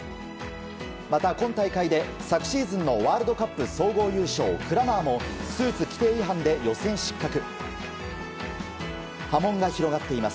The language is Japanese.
また、今大会で昨シーズンのワールドカップ総合優勝クラマーもスーツ規定違反で予選失格。